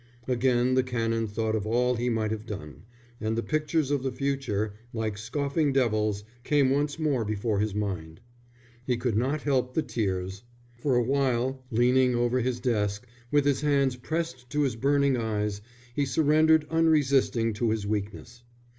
Again the Canon thought of all he might have done: and the pictures of the future, like scoffing devils, came once more before his mind. He could not help the tears. For a while, leaning over his desk, with his hands pressed to his burning eyes, he surrendered unresisting to his weakness.